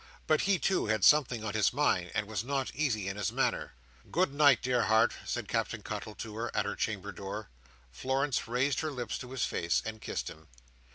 But he too had something on his mind, and was not easy in his manner. "Good night, dear heart," said Captain Cuttle to her at her chamber door. Florence raised her lips to his face, and kissed him.